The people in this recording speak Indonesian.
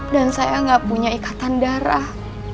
dan saya gak punya ikatan darah